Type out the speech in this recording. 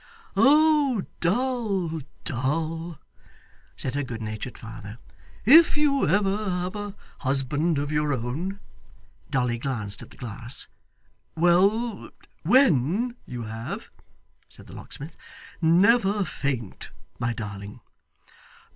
'Oh, Doll, Doll,' said her good natured father. 'If you ever have a husband of your own ' Dolly glanced at the glass. ' Well, WHEN you have,' said the locksmith, 'never faint, my darling.